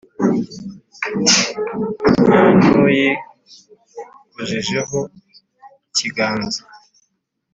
nta n’uyikojejeho ikiganza.